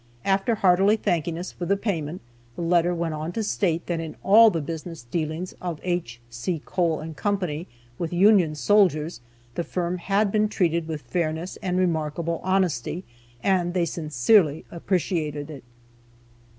After heartily thanking us for the payment, the letter went on to state that in all the business dealings of H. C. Cole & Co. with Union soldiers the firm had been treated with fairness and remarkable honesty, and they sincerely appreciated it.